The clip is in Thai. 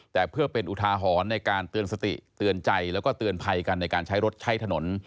แต่เพื่อเป็นอุทาหรณ์ในการเตือนสติเตือนใจแล้วก็เตือนภัยกันในการใช้รถใช้ถนน